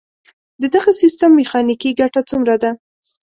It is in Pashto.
د دغه سیستم میخانیکي ګټه څومره ده؟